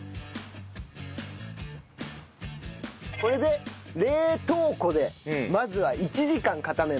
これで冷凍庫でまずは１時間固めます。